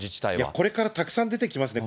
これからたくさん出てきますね。